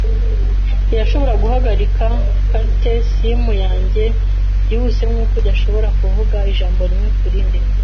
Irashobora guhagarika catechism yanjye byihuse, nkuko udashobora kuvuga ijambo rimwe kurindi.